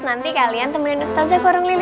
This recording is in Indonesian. nanti kalian temenin ustazah ke orang lili